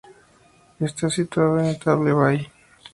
Está situado en Table Bay.